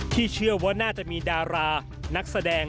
เชื่อว่าน่าจะมีดารานักแสดง